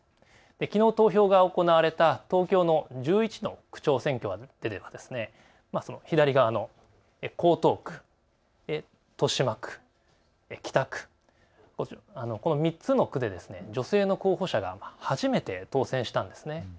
きのう投票が行われた東京の１１の区長選挙では江東区、豊島区、北区、この３つの区で女性の候補者が初めて当選したんですね。